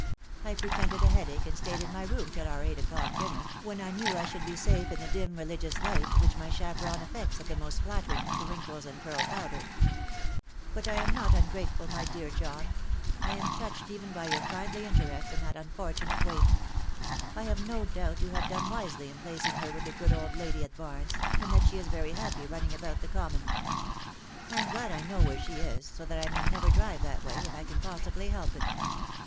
I pretended a head ache, and stayed in my room till our eight o'clock dinner, when I knew I should be safe in the dim religious light which my 336 The Fatal Three. chaperon affects as the most flattering to wrinkles and powder. " But I am not ungrateful, my dear John. I am touche even by your kindly interest in that unfortunate waif. I have no doubt you have done wisely in placing her with the good old lady at Barnes, and that she is very happy running about the Common. I am glad I know where she is, so that I may never drive that way, if I can possibly help it.